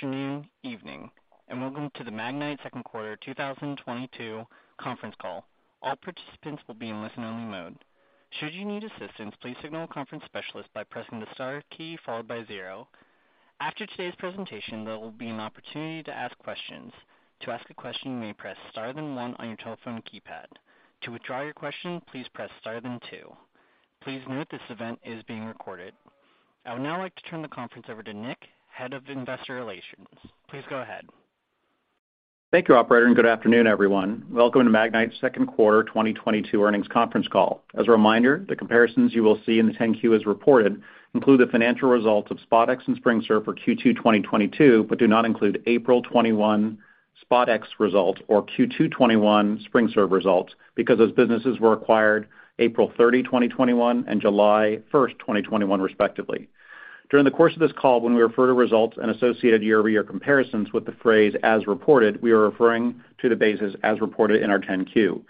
Good morning, afternoon, evening, and welcome to the Magnite second quarter 2022 conference call. All participants will be in listen-only mode. Should you need assistance, please signal a conference specialist by pressing the star key followed by zero. After today's presentation, there will be an opportunity to ask questions. To ask a question, you may press star then one on your telephone keypad. To withdraw your question, please press star then two. Please note this event is being recorded. I would now like to turn the conference over to Nick, Head of Investor Relations. Please go ahead. Thank you, operator, and good afternoon, everyone. Welcome to Magnite's second quarter 2022 earnings conference call. As a reminder, the comparisons you will see in the 10-Q as reported include the financial results of SpotX and SpringServe for Q2 2022, but do not include April 2021 SpotX results or Q2 2021 SpringServe results because those businesses were acquired April 30, 2021 and July 1st, 2021 respectively. During the course of this call, when we refer to results and associated year-over-year comparisons with the phrase as reported, we are referring to the basis as reported in our 10-Q.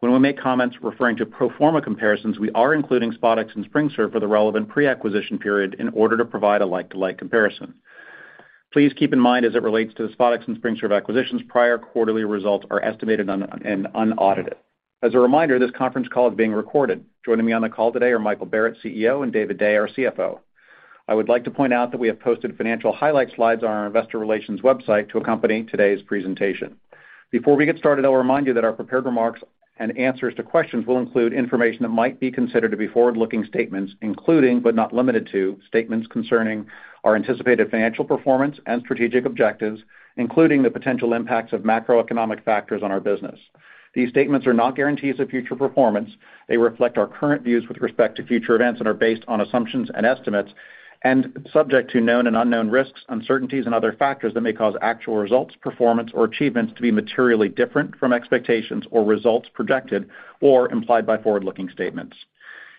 When we make comments referring to pro forma comparisons, we are including SpotX and SpringServe for the relevant pre-acquisition period in order to provide a like-to-like comparison. Please keep in mind as it relates to the SpotX and SpringServe acquisitions, prior quarterly results are estimated and unaudited. As a reminder, this conference call is being recorded. Joining me on the call today are Michael Barrett, CEO, and David Day, our CFO. I would like to point out that we have posted financial highlight slides on our investor relations website to accompany today's presentation. Before we get started, I'll remind you that our prepared remarks and answers to questions will include information that might be considered to be forward-looking statements, including but not limited to statements concerning our anticipated financial performance and strategic objectives, including the potential impacts of macroeconomic factors on our business. These statements are not guarantees of future performance. They reflect our current views with respect to future events and are based on assumptions and estimates, and subject to known and unknown risks, uncertainties, and other factors that may cause actual results, performance, or achievements to be materially different from expectations or results projected or implied by forward-looking statements.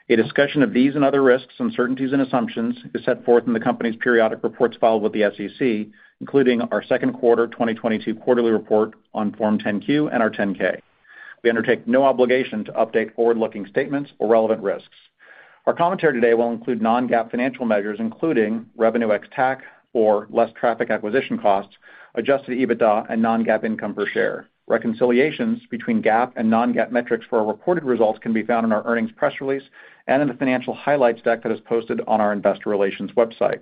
A discussion of these and other risks, uncertainties, and assumptions is set forth in the company's periodic reports filed with the SEC, including our second quarter 2022 quarterly report on Form 10-Q and our 10-K. We undertake no obligation to update forward-looking statements or relevant risks. Our commentary today will include non-GAAP financial measures, including revenue ex-TAC, or revenue less traffic acquisition costs, adjusted EBITDA, and non-GAAP income per share. Reconciliations between GAAP and non-GAAP metrics for our reported results can be found in our earnings press release and in the financial highlights deck that is posted on our investor relations website.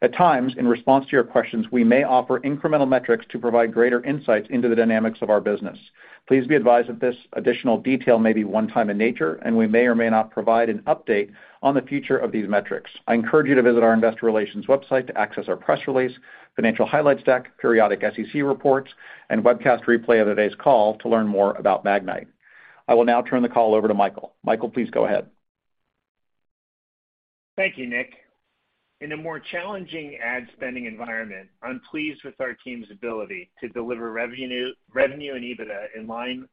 At times, in response to your questions, we may offer incremental metrics to provide greater insights into the dynamics of our business. Please be advised that this additional detail may be one-time in nature, and we may or may not provide an update on the future of these metrics. I encourage you to visit our investor relations website to access our press release, financial highlights deck, periodic SEC reports, and webcast replay of today's call to learn more about Magnite. I will now turn the call over to Michael. Michael, please go ahead. Thank you, Nick. In a more challenging ad spending environment, I'm pleased with our team's ability to deliver revenue and EBITDA in line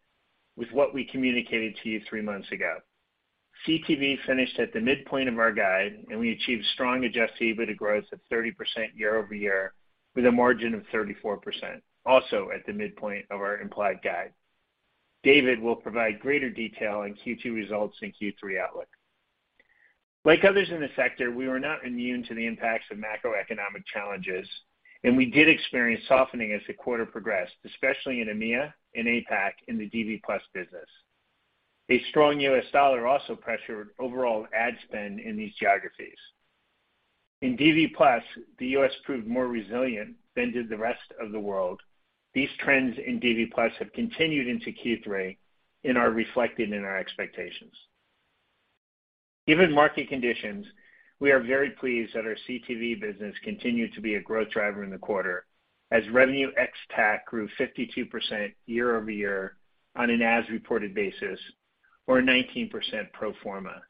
with what we communicated to you three months ago. CTV finished at the midpoint of our guide, and we achieved strong adjusted EBITDA growth of 30% year-over-year with a margin of 34%, also at the midpoint of our implied guide. David will provide greater detail on Q2 results and Q3 outlook. Like others in the sector, we were not immune to the impacts of macroeconomic challenges, and we did experience softening as the quarter progressed, especially in EMEA and APAC in the DV+ business. A strong U.S. dollar also pressured overall ad spend in these geographies. In DV+, the U.S. proved more resilient than did the rest of the world. These trends in DV+ have continued into Q3 and are reflected in our expectations. Given market conditions, we are very pleased that our CTV business continued to be a growth driver in the quarter as revenue ex TAC grew 52% year-over-year on an as-reported basis or 19% pro forma.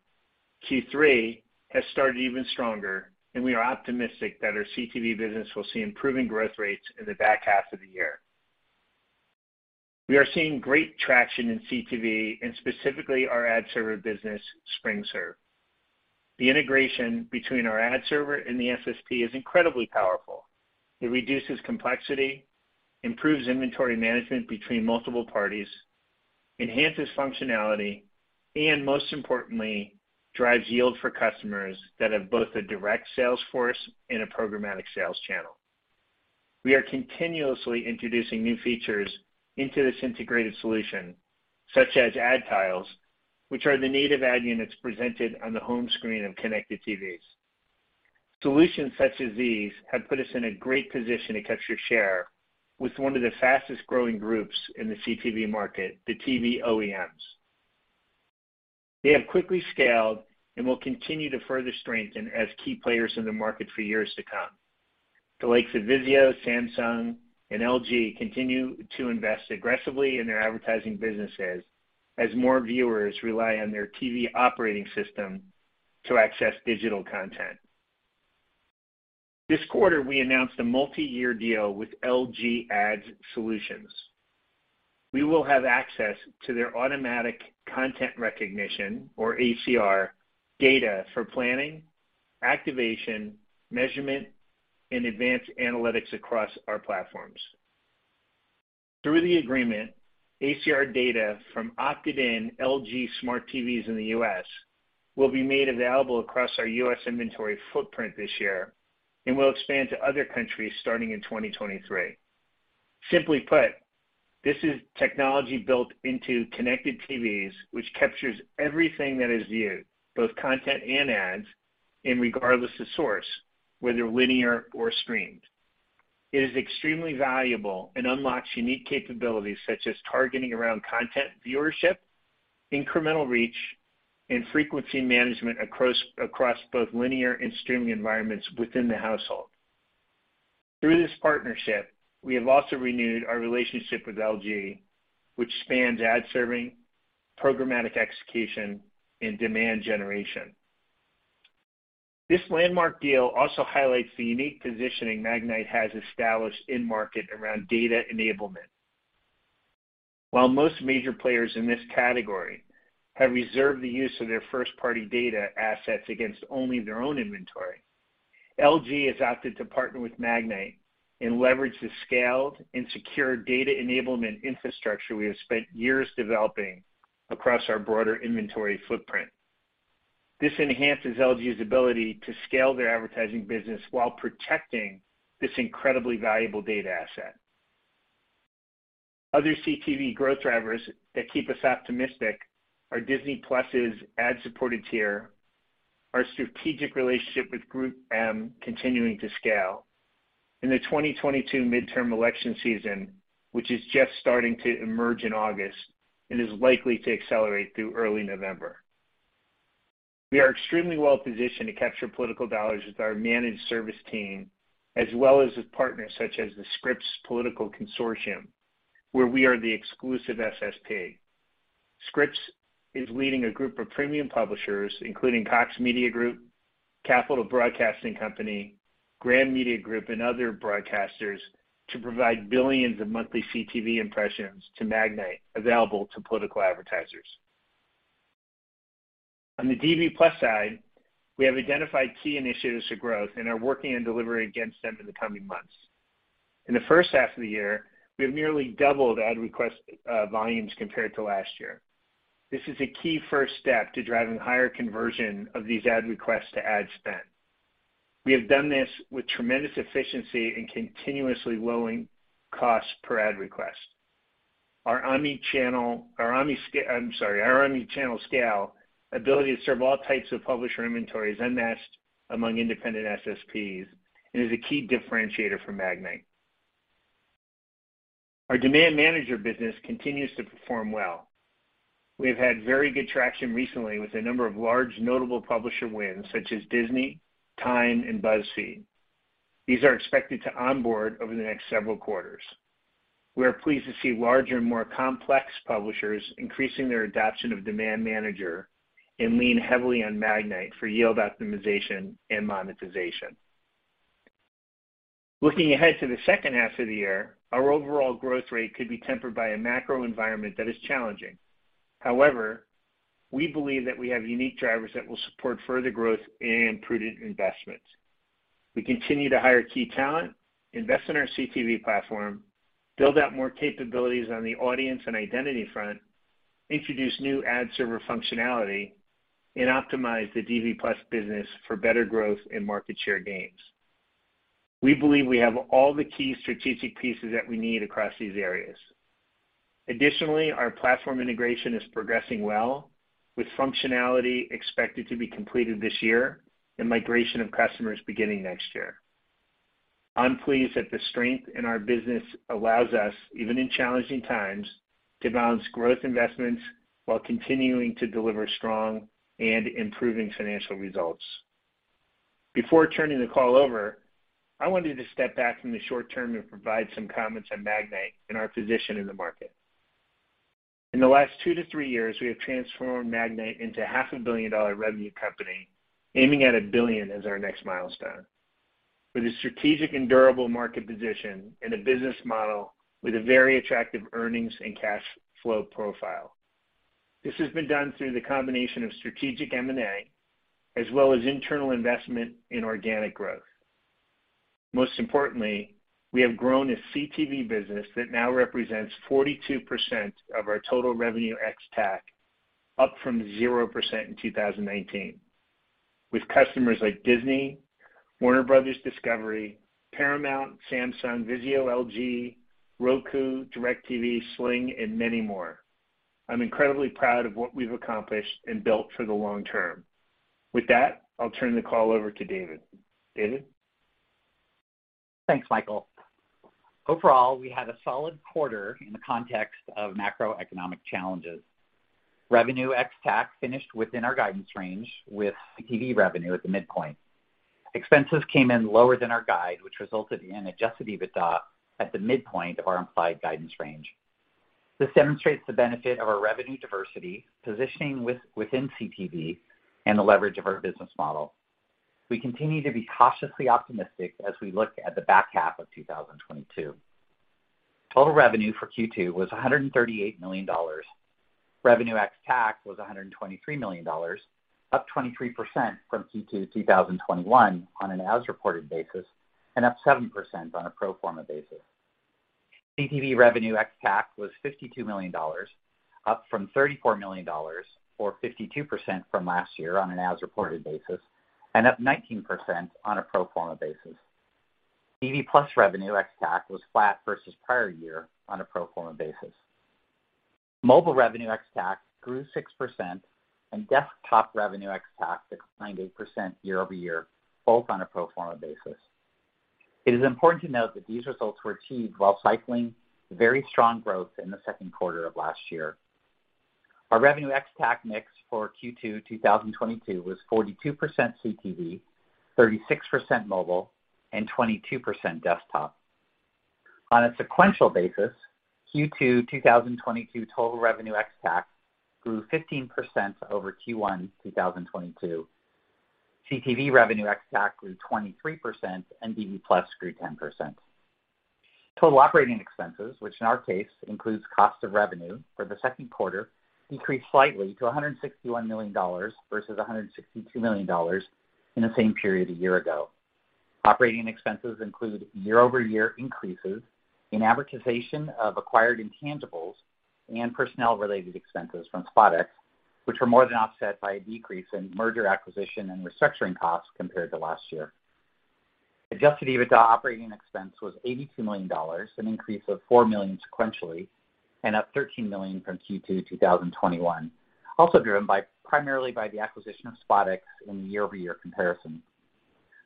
Q3 has started even stronger, and we are optimistic that our CTV business will see improving growth rates in the back half of the year. We are seeing great traction in CTV and specifically our ad server business, SpringServe. The integration between our ad server and the SSP is incredibly powerful. It reduces complexity, improves inventory management between multiple parties, enhances functionality, and most importantly, drives yield for customers that have both a direct sales force and a programmatic sales channel. We are continuously introducing new features into this integrated solution, such as ad tiles, which are the native ad units presented on the home screen of connected TVs. Solutions such as these have put us in a great position to capture share with one of the fastest-growing groups in the CTV market, the TV OEMs. They have quickly scaled and will continue to further strengthen as key players in the market for years to come. The likes of VIZIO, Samsung, and LG continue to invest aggressively in their advertising businesses as more viewers rely on their TV operating system to access digital content. This quarter, we announced a multi-year deal with LG Ad Solutions. We will have access to their automatic content recognition or ACR data for planning, activation, measurement, and advanced analytics across our platforms. Through the agreement, ACR data from opted-in LG smart TVs in the U.S. will be made available across our U.S. inventory footprint this year and will expand to other countries starting in 2023. Simply put, this is technology built into connected TVs, which captures everything that is viewed, both content and ads, and regardless of source, whether linear or streamed. It is extremely valuable and unlocks unique capabilities such as targeting around content viewership, incremental reach, and frequency management across both linear and streaming environments within the household. Through this partnership, we have also renewed our relationship with LG, which spans ad serving, programmatic execution, and demand generation. This landmark deal also highlights the unique positioning Magnite has established in market around data enablement. While most major players in this category have reserved the use of their first-party data assets against only their own inventory, LG has opted to partner with Magnite and leverage the scaled and secure data enablement infrastructure we have spent years developing across our broader inventory footprint. This enhances LG's ability to scale their advertising business while protecting this incredibly valuable data asset. Other CTV growth drivers that keep us optimistic are Disney+’s ad-supported tier, our strategic relationship with GroupM continuing to scale, in the 2022 midterm election season, which is just starting to emerge in August and is likely to accelerate through early November, we are extremely well positioned to capture political dollars with our managed service team, as well as with partners such as the Scripps Political CTV Consortium, where we are the exclusive SSP. Scripps is leading a group of premium publishers, including Cox Media Group, Capitol Broadcasting Company, Graham Media Group, and other broadcasters, to provide billions of monthly CTV impressions to Magnite available to political advertisers. On the DV+ side, we have identified key initiatives for growth and are working on delivering against them in the coming months. In the first half of the year, we have nearly doubled ad request volumes compared to last year. This is a key first step to driving higher conversion of these ad requests to ad spend. We have done this with tremendous efficiency and continuously lowering cost per ad request. Our omni-channel scalability to serve all types of publisher inventory is unmatched among independent SSPs and is a key differentiator for Magnite. Our Demand Manager business continues to perform well. We have had very good traction recently with a number of large notable publisher wins such as Disney, Time, and BuzzFeed. These are expected to onboard over the next several quarters. We are pleased to see larger and more complex publishers increasing their adoption of Demand Manager and lean heavily on Magnite for yield optimization and monetization. Looking ahead to the second half of the year, our overall growth rate could be tempered by a macro environment that is challenging. However, we believe that we have unique drivers that will support further growth and prudent investments. We continue to hire key talent, invest in our CTV platform, build out more capabilities on the audience and identity front, introduce new ad server functionality, and optimize the DV+ business for better growth and market share gains. We believe we have all the key strategic pieces that we need across these areas. Additionally, our platform integration is progressing well, with functionality expected to be completed this year and migration of customers beginning next year. I'm pleased that the strength in our business allows us, even in challenging times, to balance growth investments while continuing to deliver strong and improving financial results. Before turning the call over, I wanted to step back from the short term and provide some comments on Magnite and our position in the market. In the last 2-3 years, we have transformed Magnite into half a billion-dollar revenue company, aiming at a billion as our next milestone, with a strategic and durable market position and a business model with a very attractive earnings and cash flow profile. This has been done through the combination of strategic M&A as well as internal investment in organic growth. Most importantly, we have grown a CTV business that now represents 42% of our total revenue ex-TAC, up from 0% in 2019, with customers like Disney, Warner Bros. Discovery, Paramount, Samsung, VIZIO, LG, Roku, DIRECTV, Sling TV, and many more. I'm incredibly proud of what we've accomplished and built for the long term. With that, I'll turn the call over to David. David? Thanks, Michael. Overall, we had a solid quarter in the context of macroeconomic challenges. Revenue ex TAC finished within our guidance range with CTV revenue at the midpoint. Expenses came in lower than our guide, which resulted in adjusted EBITDA at the midpoint of our implied guidance range. This demonstrates the benefit of our revenue diversity, positioning within CTV, and the leverage of our business model. We continue to be cautiously optimistic as we look at the back half of 2022. Total revenue for Q2 was $138 million. Revenue ex TAC was $123 million, up 23% from Q2 2021 on an as-reported basis, and up 7% on a pro forma basis. CTV revenue ex-TAC was $52 million, up from $34 million, or 52% from last year on an as-reported basis and up 19% on a pro forma basis. DV+ revenue ex-TAC was flat versus prior year on a pro forma basis. Mobile revenue ex-TAC grew 6% and desktop revenue ex-TAC declined 8% year-over-year, both on a pro forma basis. It is important to note that these results were achieved while cycling very strong growth in the second quarter of last year. Our revenue ex-TAC mix for Q2 2022 was 42% CTV, 36% mobile and 22% desktop. On a sequential basis, Q2 2022 total revenue ex-TAC grew 15% over Q1 2022. CTV revenue ex-TAC grew 23% and DV+ grew 10%. Total operating expenses, which in our case includes cost of revenue for the second quarter, decreased slightly to $161 million versus $162 million in the same period a year ago. Operating expenses include year-over-year increases in amortization of acquired intangibles and personnel-related expenses from SpotX, which were more than offset by a decrease in merger acquisition and restructuring costs compared to last year. Adjusted EBITDA operating expense was $82 million, an increase of $4 million sequentially and up $13 million from Q2 2021, also driven by, primarily by the acquisition of SpotX in the year-over-year comparison.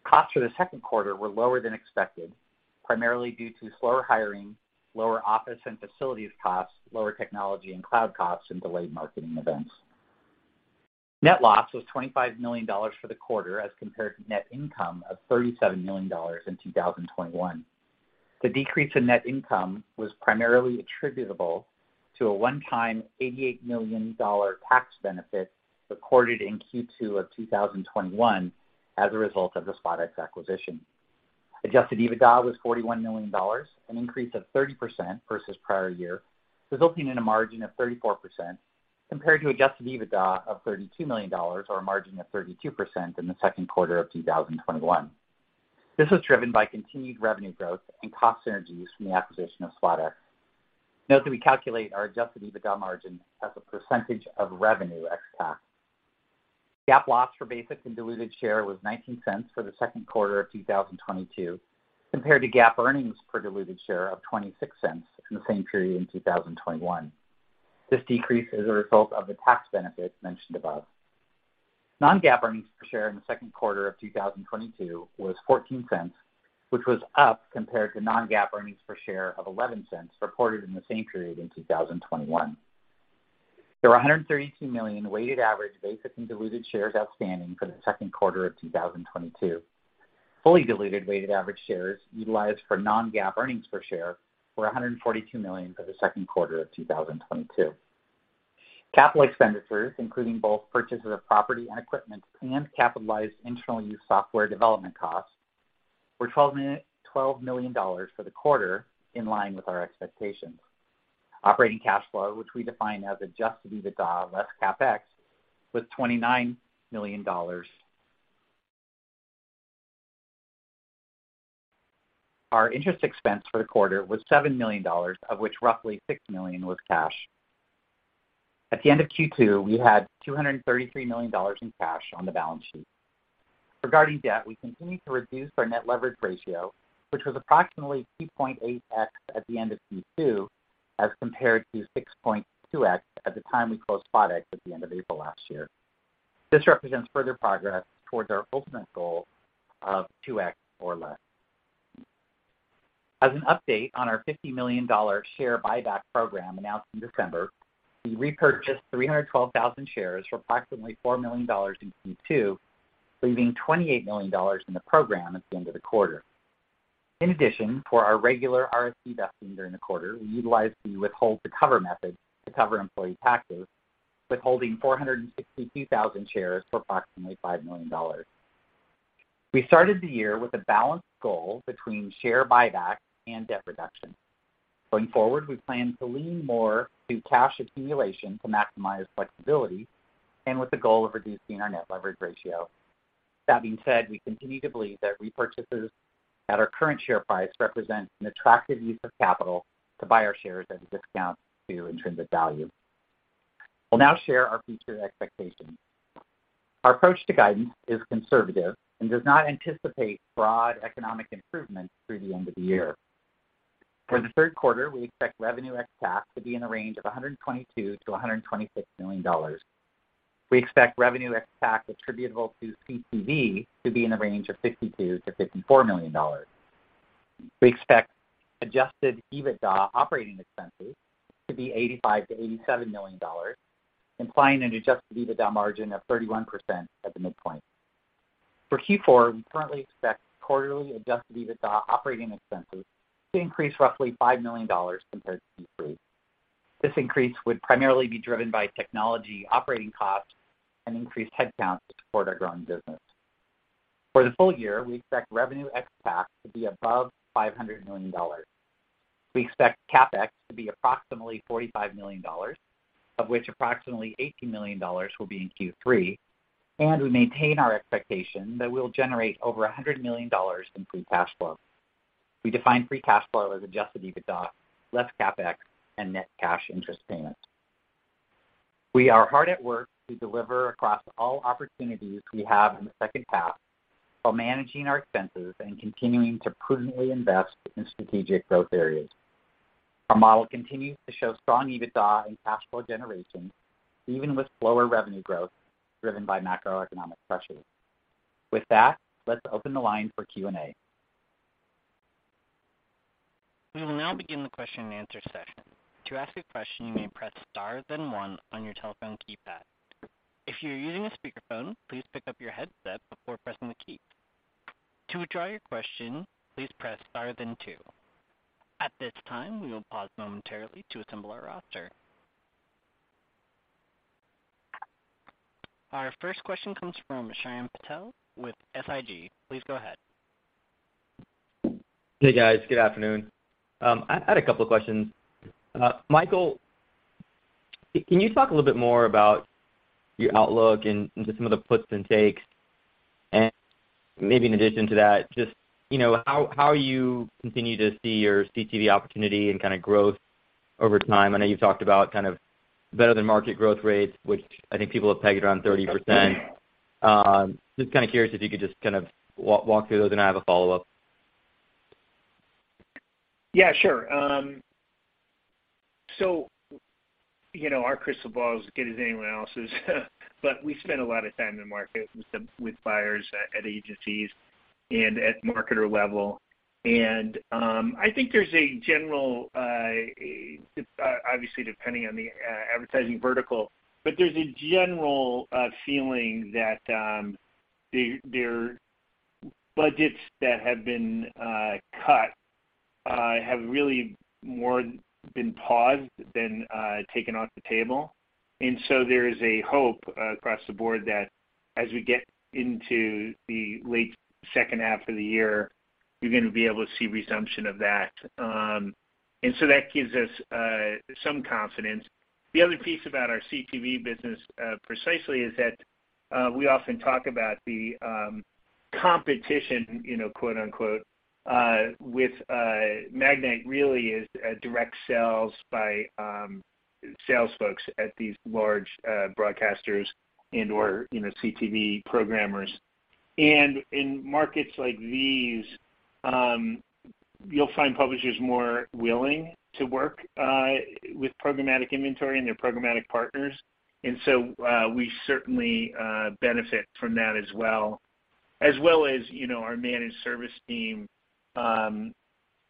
Costs for the second quarter were lower than expected, primarily due to slower hiring, lower office and facilities costs, lower technology and cloud costs, and delayed marketing events. Net loss was $25 million for the quarter as compared to net income of $37 million in 2021. The decrease in net income was primarily attributable to a one-time $88 million tax benefit recorded in Q2 of 2021 as a result of the SpotX acquisition. Adjusted EBITDA was $41 million, an increase of 30% versus prior year, resulting in a margin of 34% compared to adjusted EBITDA of $32 million or a margin of 32% in the second quarter of 2021. This was driven by continued revenue growth and cost synergies from the acquisition of SpotX. Note that we calculate our adjusted EBITDA margin as a percentage of revenue ex-TAC. GAAP loss per basic and diluted share was $0.19 for the second quarter of 2022 compared to GAAP earnings per diluted share of $0.26 in the same period in 2021. This decrease is a result of the tax benefit mentioned above. Non-GAAP earnings per share in the second quarter of 2022 was $0.14, which was up compared to non-GAAP earnings per share of $0.11 reported in the same period in 2021. There were 132 million weighted average basic and diluted shares outstanding for the second quarter of 2022. Fully diluted weighted average shares utilized for non-GAAP earnings per share were 142 million for the second quarter of 2022. Capital expenditures, including both purchases of property and equipment and capitalized internal use software development costs, were $12 million for the quarter, in line with our expectations. Operating cash flow, which we define as adjusted EBITDA less CapEx, was $29 million. Our interest expense for the quarter was $7 million, of which roughly $6 million was cash. At the end of Q2, we had $233 million in cash on the balance sheet. Regarding debt, we continue to reduce our net leverage ratio, which was approximately 2.8x at the end of Q2 as compared to 6.2x at the time we closed SpotX at the end of April last year. This represents further progress towards our ultimate goal of 2x or less. As an update on our $50 million share buyback program announced in December, we repurchased 312,000 shares for approximately $4 million in Q2, leaving $28 million in the program at the end of the quarter. In addition, for our regular RSU vesting during the quarter, we utilized the withhold to cover method to cover employee taxes, withholding 462,000 shares for approximately $5 million. We started the year with a balanced goal between share buybacks and debt reduction. Going forward, we plan to lean more to cash accumulation to maximize flexibility and with the goal of reducing our net leverage ratio. That being said, we continue to believe that repurchases at our current share price represent an attractive use of capital to buy our shares at a discount to intrinsic value. We'll now share our future expectations. Our approach to guidance is conservative and does not anticipate broad economic improvements through the end of the year. For the third quarter, we expect revenue ex-TAC to be in the range of $122 million-$126 million. We expect revenue ex-TAC attributable to CTV to be in the range of $52 million-$54 million. We expect adjusted EBITDA operating expenses to be $85 million-$87 million, implying an adjusted EBITDA margin of 31% at the midpoint. For Q4, we currently expect quarterly adjusted EBITDA operating expenses to increase roughly $5 million compared to Q3. This increase would primarily be driven by technology operating costs and increased headcount to support our growing business. For the full year, we expect revenue ex TAC to be above $500 million. We expect CapEx to be approximately $45 million, of which approximately $80 million will be in Q3, and we maintain our expectation that we'll generate over $100 million in free cash flow. We define free cash flow as adjusted EBITDA, less CapEx and net cash interest payment. We are hard at work to deliver across all opportunities we have in the second half while managing our expenses and continuing to prudently invest in strategic growth areas. Our model continues to show strong EBITDA and cash flow generation, even with slower revenue growth driven by macroeconomic pressures. With that, let's open the line for Q&A. We will now begin the question-and-answer session. To ask a question, you may press star then one on your telephone keypad. If you're using a speakerphone, please pick up your headset before pressing the key. To withdraw your question, please press star then two. At this time, we will pause momentarily to assemble our roster. Our first question comes from Shyam Patil with SIG. Please go ahead. Hey, guys. Good afternoon. I had a couple of questions. Michael, can you talk a little bit more about your outlook and just some of the puts and takes? Maybe in addition to that, just, you know, how you continue to see your CTV opportunity and kind of growth over time? I know you've talked about kind of better than market growth rates, which I think people have pegged around 30%. Just kind of curious if you could just kind of walk through those, and I have a follow-up. Yeah, sure. Our crystal ball is as good as anyone else's, but we spend a lot of time in the market with buyers at agencies and at marketer level. I think there's a general, obviously depending on the advertising vertical, but there's a general feeling that their budgets that have been cut have really more been paused than taken off the table. There is a hope across the board that as we get into the late second half of the year, you're gonna be able to see resumption of that. That gives us some confidence. The other piece about our CTV business precisely is that we often talk about the competition, you know, quote-unquote, with Magnite really is direct sales by sales folks at these large broadcasters and/or, you know, CTV programmers. In markets like these, you'll find publishers more willing to work with programmatic inventory and their programmatic partners. We certainly benefit from that as well. As well as our managed service team,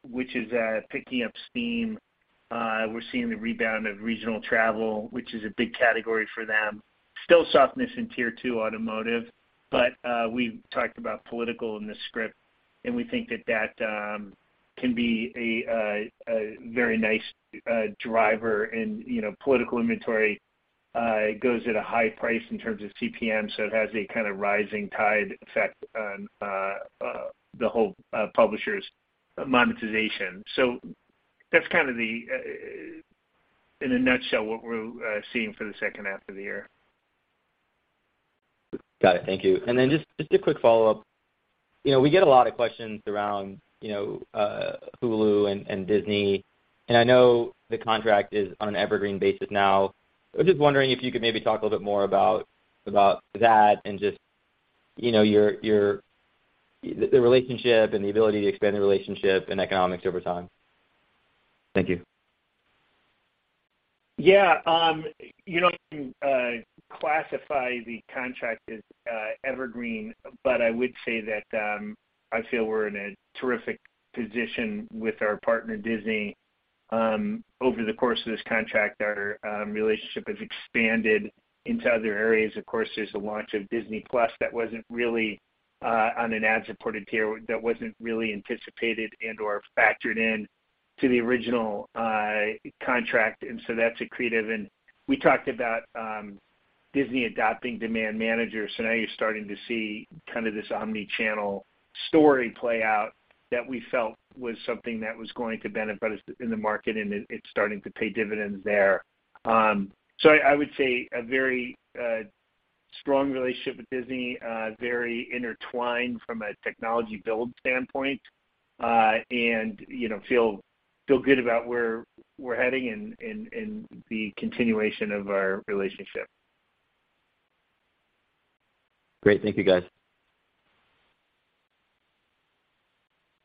which is picking up steam. We're seeing the rebound of regional travel, which is a big category for them. Still softness in tier two automotive, but we talked about political in the Scripps, and we think that can be a very nice driver. You know, political inventory goes at a high price in terms of CPM, so it has a kind of rising tide effect on the whole publisher's monetization. That's kind of in a nutshell what we're seeing for the second half of the year. Got it. Thank you. Just a quick follow-up. You know, we get a lot of questions around, you know, Hulu and Disney. I know the contract is on an evergreen basis now. I'm just wondering if you could maybe talk a little bit more about that and just, you know, the relationship and the ability to expand the relationship and economics over time. Thank you. Yeah. You don't classify the contract as evergreen, but I would say that I feel we're in a terrific position with our partner, Disney. Over the course of this contract, our relationship has expanded into other areas. Of course, there's the launch of Disney+ that wasn't really on an ad-supported tier, that wasn't really anticipated and/or factored in to the original contract. So that's accretive. We talked about Disney adopting Demand Manager. So now you're starting to see kind of this omni-channel story play out that we felt was something that was going to benefit us in the market, and it's starting to pay dividends there. I would say a very strong relationship with Disney, very intertwined from a technology build standpoint, and you know, feel good about where we're heading in the continuation of our relationship. Great. Thank you, guys.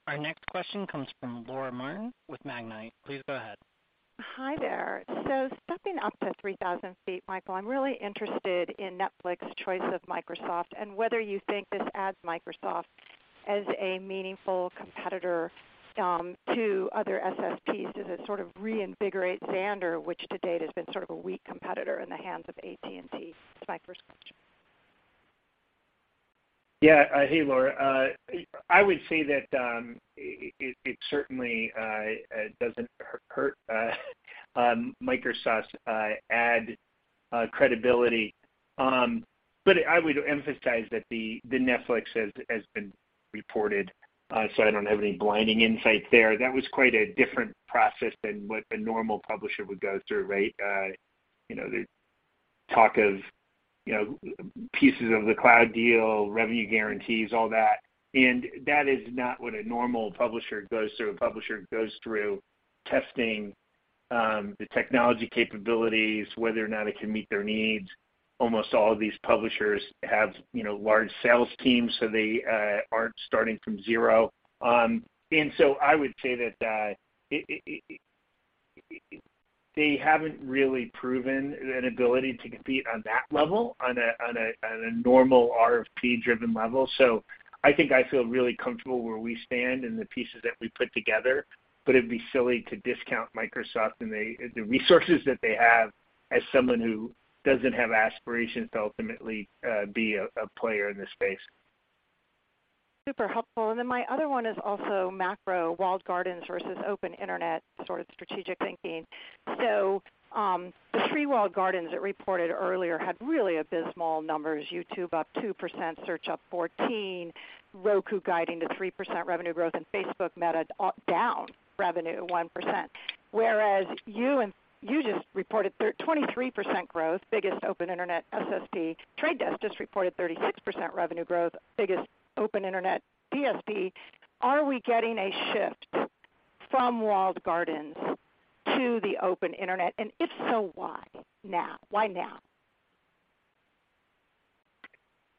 Our next question comes from Laura Martin with Magnite. Please go ahead. Hi there. Stepping up to 3,000 feet, Michael, I'm really interested in Netflix's choice of Microsoft and whether you think this adds Microsoft as a meaningful competitor to other SSPs. Does it sort of reinvigorate Xandr, which to date has been sort of a weak competitor in the hands of AT&T? That's my first question. Yeah. Hey, Laura. I would say that it certainly doesn't hurt Microsoft's ad credibility. I would emphasize that the Netflix has been reported, so I don't have any blinding insights there. That was quite a different process than what a normal publisher would go through, right? You know, the talk of you know, pieces of the cloud deal, revenue guarantees, all that. That is not what a normal publisher goes through. A publisher goes through testing the technology capabilities, whether or not it can meet their needs. Almost all of these publishers have you know, large sales teams, so they aren't starting from zero. I would say that they haven't really proven an ability to compete on that level, on a normal RFP-driven level. I think I feel really comfortable where we stand and the pieces that we put together, but it'd be silly to discount Microsoft and the resources that they have as someone who doesn't have aspirations to ultimately be a player in this space. Super helpful. My other one is also macro walled gardens versus open internet sort of strategic thinking. The three walled gardens that reported earlier had really abysmal numbers, YouTube up 2%, Search up 14%, Roku guiding to 3% revenue growth, and Facebook, Meta, down revenue 1%. Whereas you just reported 23% growth, biggest open internet SSP. The Trade Desk just reported 36% revenue growth, biggest open internet DSP. Are we getting a shift from walled gardens to the open internet? If so, why now? Why now?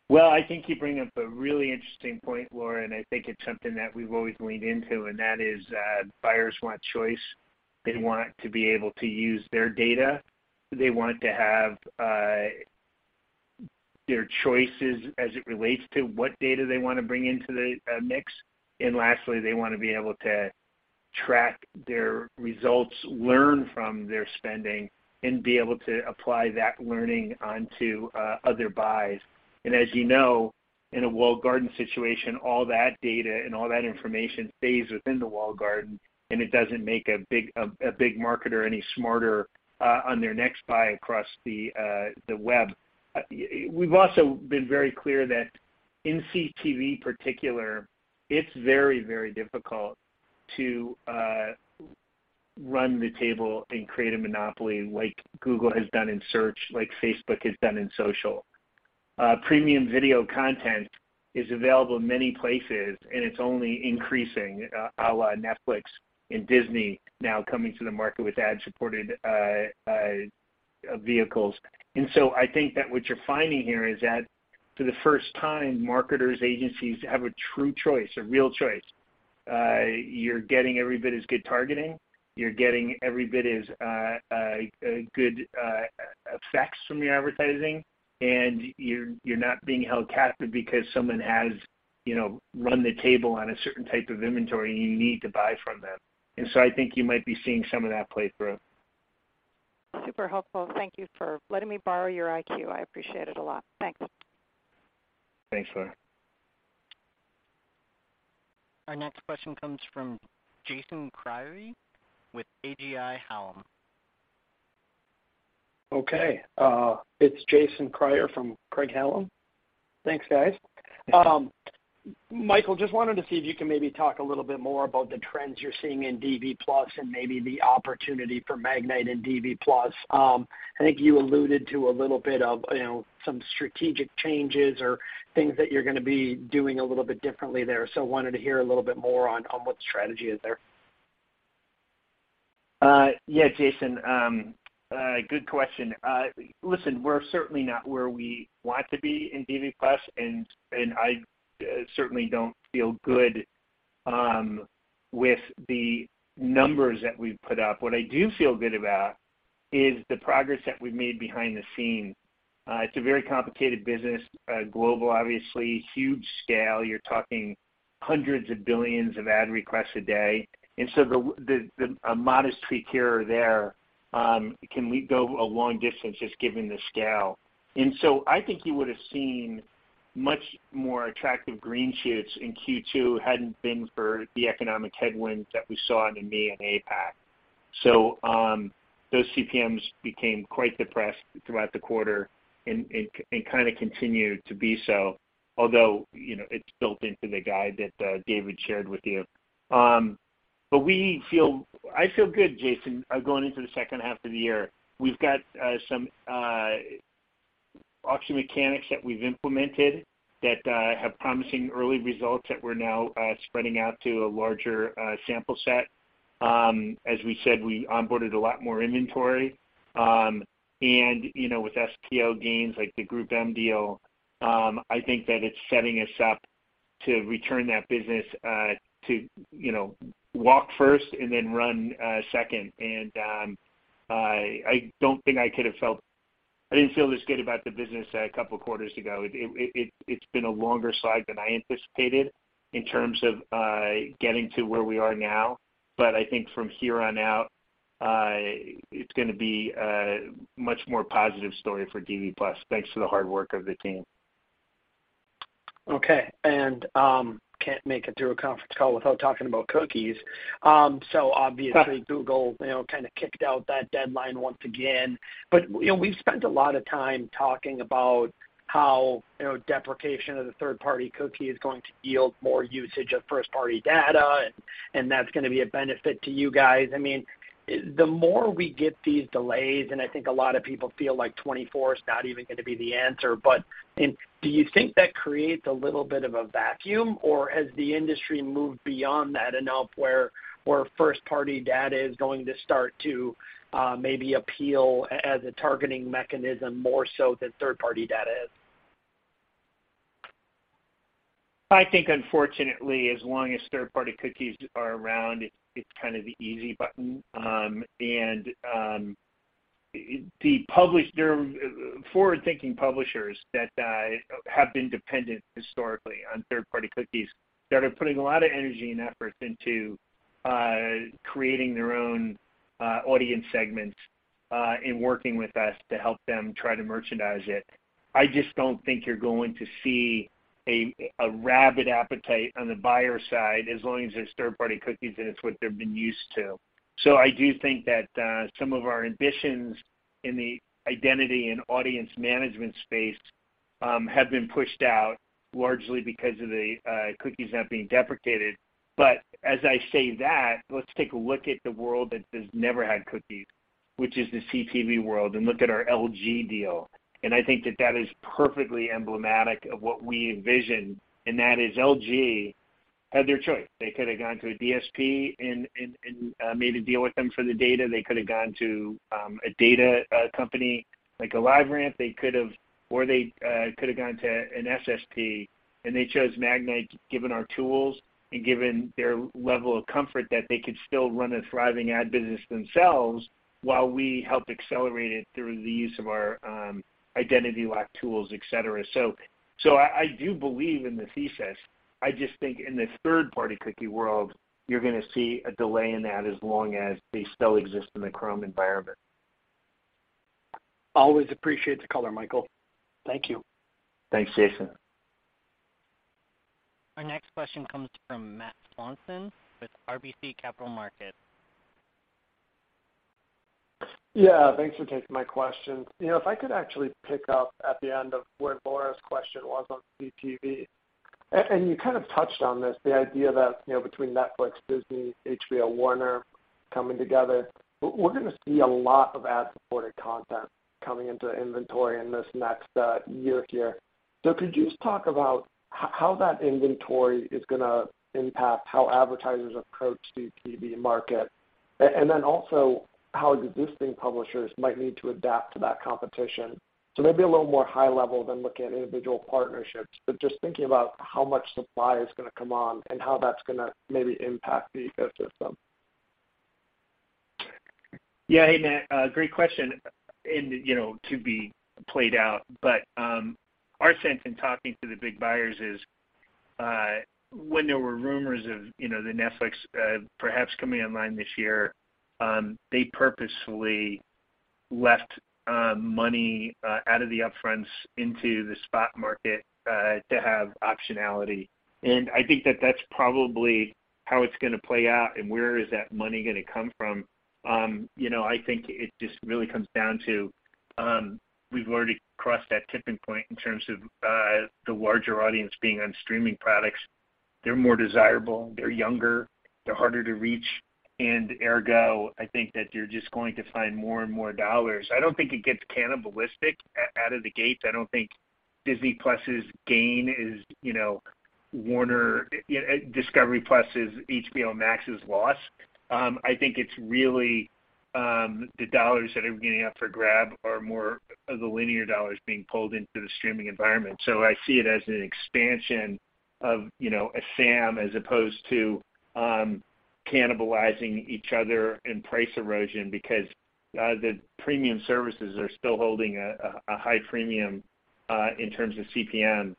Well, I think you bring up a really interesting point, Laura, and I think it's something that we've always leaned into, and that is, buyers want choice. They want to be able to use their data. They want to have their choices as it relates to what data they wanna bring into the mix. And lastly, they wanna be able to track their results, learn from their spending, and be able to apply that learning onto other buys. And as you know, in a walled garden situation, all that data and all that information stays within the walled garden, and it doesn't make a big marketer any smarter on their next buy across the web. We've also been very clear that in CTV particular, it's very, very difficult to run the table and create a monopoly like Google has done in search, like Meta has done in social. Premium video content is available in many places, and it's only increasing, à la Netflix and Disney now coming to the market with ad-supported vehicles. I think that what you're finding here is that for the first time, marketers, agencies have a true choice, a real choice. You're getting every bit as good targeting. You're getting every bit as good effects from your advertising, and you're not being held captive because someone has, you know, run the table on a certain type of inventory, and you need to buy from them. I think you might be seeing some of that play through. Super helpful. Thank you for letting me borrow your IQ. I appreciate it a lot. Thanks. Thanks, Laura. Our next question comes from Jason Kreyer with Craig-Hallum. Okay. It's Jason Kreyer from Craig-Hallum. Thanks, guys. Michael, just wanted to see if you can maybe talk a little bit more about the trends you're seeing in DV+ and maybe the opportunity for Magnite in DV+. I think you alluded to a little bit of, you know, some strategic changes or things that you're gonna be doing a little bit differently there. Wanted to hear a little bit more on what the strategy is there. Yeah, Jason. Good question. Listen, we're certainly not where we want to be in DV+, and I certainly don't feel good with the numbers that we've put up. What I do feel good about is the progress that we've made behind the scenes. It's a very complicated business, global, obviously, huge scale. You're talking hundreds of billions of ad requests a day. A modest tweak here or there can go a long distance just given the scale. I think you would have seen much more attractive green shoots in Q2 hadn't been for the economic headwinds that we saw in EMEA and APAC. Those CPMs became quite depressed throughout the quarter and kinda continued to be so, although, you know, it's built into the guide that David shared with you. I feel good, Jason, going into the second half of the year. We've got some auction mechanics that we've implemented that have promising early results that we're now spreading out to a larger sample set. As we said, we onboarded a lot more inventory. With SPO gains like the GroupM deal, I think that it's setting us up to return that business to, you know, walk first and then run second. I didn't feel this good about the business a couple quarters ago. It's been a longer slide than I anticipated in terms of getting to where we are now. I think from here on out, it's gonna be a much more positive story for DV+, thanks to the hard work of the team. Okay. Can't make it through a conference call without talking about cookies. Obviously Google, you know, kind of kicked out that deadline once again. You know, we've spent a lot of time talking about how, you know, deprecation of the third-party cookie is going to yield more usage of first-party data, and that's gonna be a benefit to you guys. I mean, the more we get these delays, and I think a lot of people feel like 2024 is not even gonna be the answer, but, I mean, do you think that creates a little bit of a vacuum, or has the industry moved beyond that enough where first-party data is going to start to maybe appeal as a targeting mechanism more so than third-party data is? I think unfortunately, as long as third-party cookies are around, it. It's kind of the easy button. The forward-thinking publishers that have been dependent historically on third-party cookies are putting a lot of energy and effort into creating their own audience segments and working with us to help them try to merchandise it. I just don't think you're going to see a rabid appetite on the buyer side as long as there's third-party cookies, and it's what they've been used to. I do think that some of our ambitions in the identity and audience management space have been pushed out largely because of the cookies not being deprecated. As I say that, let's take a look at the world that has never had cookies, which is the CTV world, and look at our LG deal. I think that is perfectly emblematic of what we envision, and that is LG had their choice. They could have gone to a DSP and made a deal with them for the data. They could have gone to a data company like a LiveRamp. Or they could have gone to an SSP. They chose Magnite, given our tools and given their level of comfort that they could still run a thriving ad business themselves while we helped accelerate it through the use of our Audience Lock tools, et cetera. I do believe in the thesis. I just think in the third-party cookie world, you're gonna see a delay in that as long as they still exist in the Chrome environment. Always appreciate the color, Michael. Thank you. Thanks, Jason. Our next question comes from Matt Swanson with RBC Capital Markets. Yeah, thanks for taking my question. You know, if I could actually pick up at the end of where Laura's question was on CTV, and you kind of touched on this, the idea that, you know, between Netflix, Disney, HBO, Warner coming together, we're gonna see a lot of ad-supported content coming into inventory in this next year here. Could you just talk about how that inventory is gonna impact how advertisers approach CTV market? And then also, how existing publishers might need to adapt to that competition. Maybe a little more high level than looking at individual partnerships, but just thinking about how much supply is gonna come on and how that's gonna maybe impact the ecosystem. Yeah. Hey, Matt, great question. You know, to be played out, but our sense in talking to the big buyers is when there were rumors of, you know, the Netflix perhaps coming online this year, they purposefully left money out of the upfronts into the spot market to have optionality. I think that that's probably how it's gonna play out and where is that money gonna come from. You know, I think it just really comes down to, we've already crossed that tipping point in terms of the larger audience being on streaming products. They're more desirable, they're younger, they're harder to reach, and ergo, I think that you're just going to find more and more dollars. I don't think it gets cannibalistic out of the gates. I don't think Disney+'s gain is, you know, Warner Bros. Discovery's Discovery+ and HBO Max's loss. I think it's really the dollars that are up for grabs are more of the linear dollars being pulled into the streaming environment. I see it as an expansion of a SAM as opposed to cannibalizing each other and price erosion because the premium services are still holding a high premium in terms of CPM.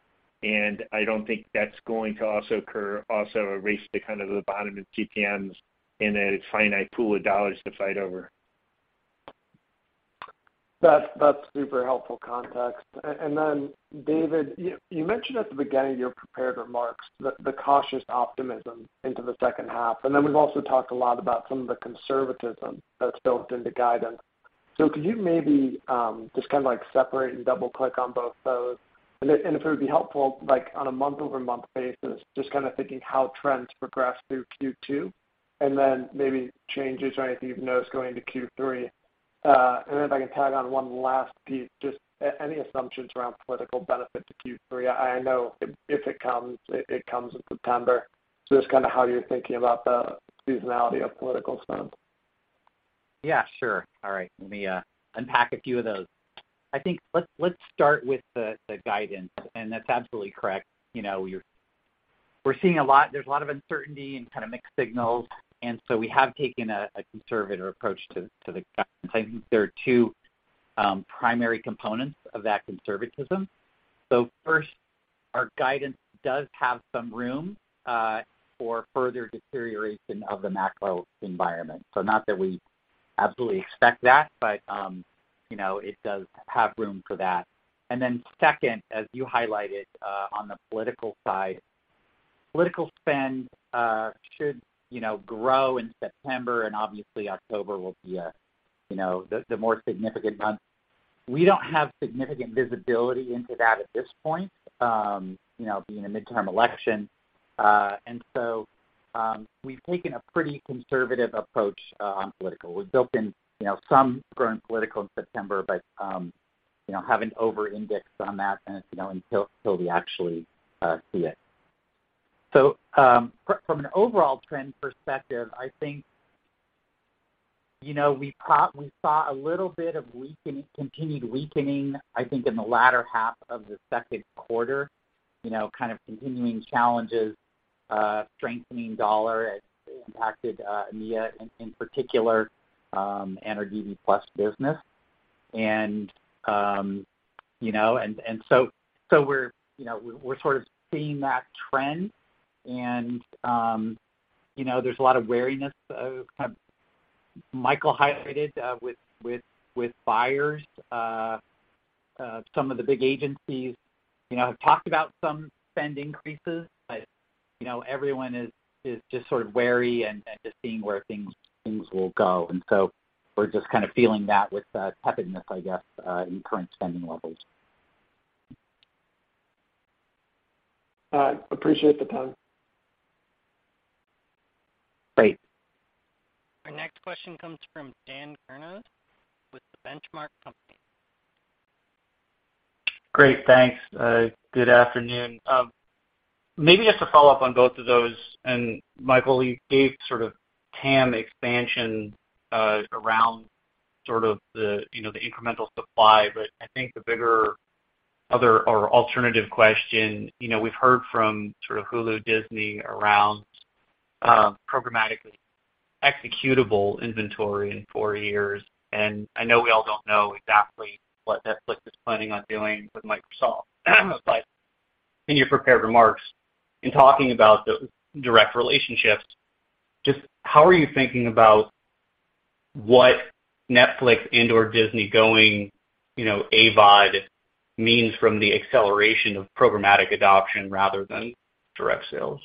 I don't think that's going to also occur, a race to kind of the bottom of GPMs in a finite pool of dollars to fight over. That's super helpful context. David, you mentioned at the beginning of your prepared remarks the cautious optimism into the second half, and then we've also talked a lot about some of the conservatism that's built into guidance. Could you maybe just kinda like separate and double-click on both those? If it would be helpful, like on a month-over-month basis, just kinda thinking how trends progress through Q2, and then maybe changes or anything you've noticed going into Q3. If I can tag on one last piece, just any assumptions around political benefit to Q3. I know if it comes, it comes in September. Just kinda how you're thinking about the seasonality of political spend. Yeah, sure. All right. Let me unpack a few of those. I think let's start with the guidance, and that's absolutely correct. You know, we're seeing a lot, there's a lot of uncertainty and kind of mixed signals, and so we have taken a conservative approach to the guidance. I think there are two primary components of that conservatism. So first, our guidance does have some room for further deterioration of the macro environment. So not that we absolutely expect that, but you know, it does have room for that. And then second, as you highlighted, on the political side, political spend should, you know, grow in September, and obviously October will be a you know, the more significant month. We don't have significant visibility into that at this point, you know, being a midterm election. We've taken a pretty conservative approach on political. We've built in, you know, some growing political in September, but, you know, haven't over-indexed on that and, you know, until we actually see it. From an overall trend perspective, I think, you know, we saw a little bit of weakening, continued weakening, I think, in the latter half of the second quarter, you know, kind of continuing challenges, strengthening dollar has impacted EMEA in particular, and our DV+ business. We're sort of seeing that trend and, you know, there's a lot of wariness, kind of Michael highlighted, with buyers. Some of the big agencies, you know, have talked about some spend increases. You know, everyone is just sort of wary and just seeing where things will go. We're just kind of feeling that with the tepidness, I guess, in current spending levels. All right. Appreciate the time. Great. Our next question comes from Dan Kurnos with The Benchmark Company. Great, thanks. Good afternoon. Maybe just to follow up on both of those, and Michael, you gave sort of TAM expansion around the incremental supply. I think the bigger other or alternative question, you know, we've heard from Hulu, Disney around programmatically executable inventory in four years. I know we all don't know exactly what Netflix is planning on doing with Microsoft. In your prepared remarks, in talking about the direct relationships, just how are you thinking about what Netflix and/or Disney going AVOD means from the acceleration of programmatic adoption rather than direct sales?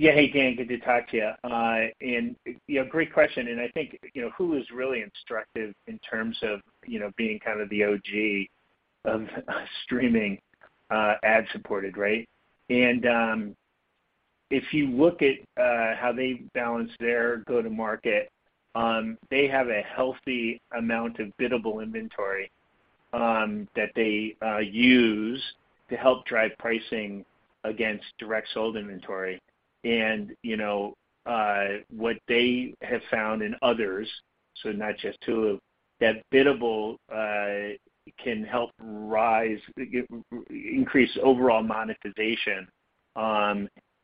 Yeah. Hey, Dan, good to talk to you. You know, great question. I think, you know, Hulu is really instructive in terms of, you know, being kind of the OG of streaming, ad-supported, right? If you look at how they balance their go-to-market, they have a healthy amount of biddable inventory that they use to help drive pricing against direct-sold inventory. You know, what they have found in others, so not just Hulu, that biddable can help raise, increase overall monetization.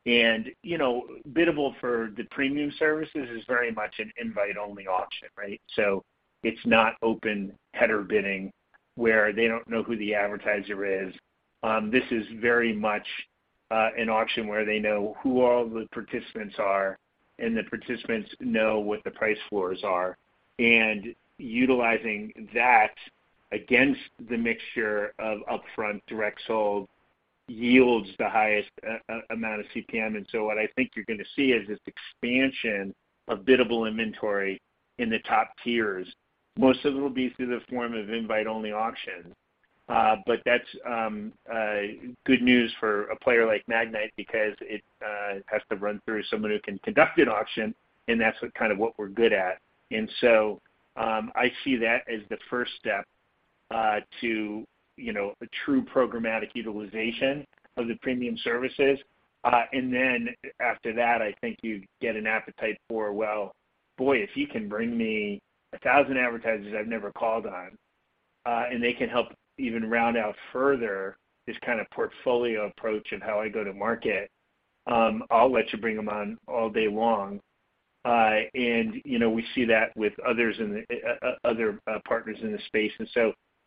You know, biddable for the premium services is very much an invite-only auction, right? It's not open header bidding where they don't know who the advertiser is. This is very much an auction where they know who all the participants are and the participants know what the price floors are. Utilizing that against the mixture of upfront direct sold yields the highest amount of CPM. What I think you're gonna see is this expansion of biddable inventory in the top tiers. Most of it will be through the form of invite-only auction. But that's good news for a player like Magnite because it has to run through someone who can conduct an auction, and that's what we're good at. I see that as the first step to a true programmatic utilization of the premium services. After that, I think you get an appetite for, well, boy, if you can bring me a thousand advertisers I've never called on, and they can help even round out further this kind of portfolio approach of how I go to market, I'll let you bring them on all day long. You know, we see that with others in the other partners in the space.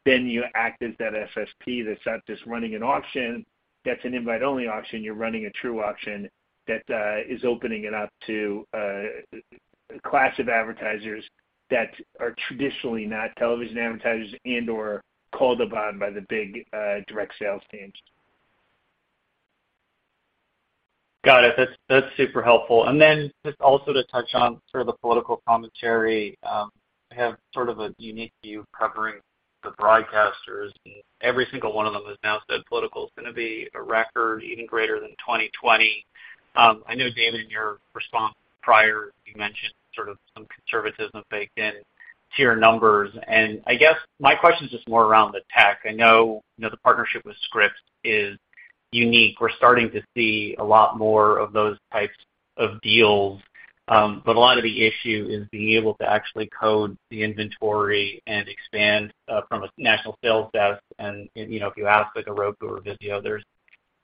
You act as that SSP that's not just running an auction, that's an invite-only auction. You're running a true auction that is opening it up to a class of advertisers that are traditionally not television advertisers and/or called upon by the big direct sales teams. Got it. That's super helpful. Then just also to touch on sort of the political commentary, I have sort of a unique view covering the broadcasters, and every single one of them has now said political is gonna be a record even greater than 2020. I know, David, in your response prior, you mentioned sort of some conservatism baked in to your numbers. I guess my question is just more around the tech. I know, you know, the partnership with Scripps is unique. We're starting to see a lot more of those types of deals. But a lot of the issue is being able to actually code the inventory and expand from a national sales desk. You know, if you ask like a Roku or VIZIO, there are